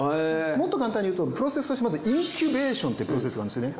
もっと簡単に言うとプロセスとしてまずインキュベーションってプロセスがあるんですよね。